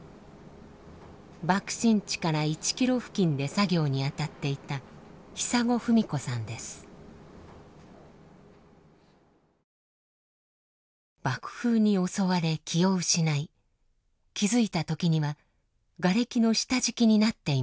爆心地から１ｋｍ付近で作業に当たっていた爆風に襲われ気を失い気付いた時にはがれきの下敷きになっていました。